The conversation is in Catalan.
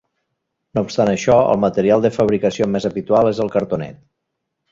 No obstant això, el material de fabricació més habitual és el cartonet.